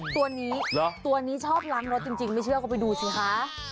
ตัวนี้ตัวนี้ชอบล้างรถจริงไม่เชื่อก็ไปดูสิคะ